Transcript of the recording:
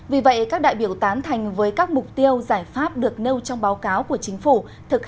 vì vậy các đại biểu tán thành với các mục tiêu giải pháp được nêu trong báo cáo của chính phủ